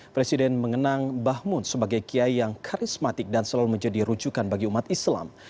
presiden mengenang mbah mun sebagai kiai yang karismatik dan selalu menjadi rujukan bagi umat islam